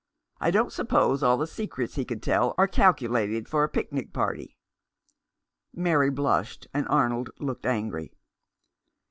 I don't suppose all the secrets he could tell are calculated for a picnic party." Mary blushed, and Arnold looked angry.